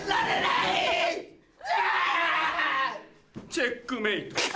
チェックメイト。